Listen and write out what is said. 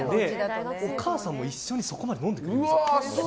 お母さんも一緒にそこまで飲んでくれるんですよ。